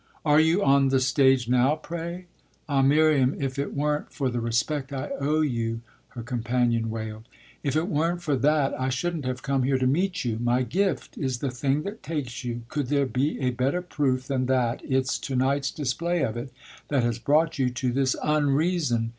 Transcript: "Are you on the stage now, pray? Ah Miriam, if it weren't for the respect I owe you!" her companion wailed. "If it weren't for that I shouldn't have come here to meet you. My gift is the thing that takes you: could there be a better proof than that it's to night's display of it that has brought you to this unreason?